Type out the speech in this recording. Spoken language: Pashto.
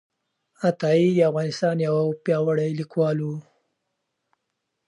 عطايي د افغانستان یو پیاوړی لیکوال و.